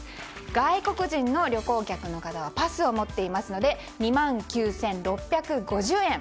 外国人の旅行客の方はパスを持っていますので２万９６５０円。